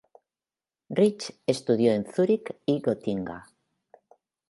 Ritz estudió en Zúrich y Gotinga.